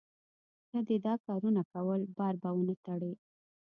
که دې دا کارونه کول؛ بار به و نه تړې.